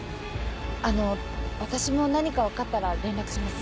あの私も何か分かったら連絡します。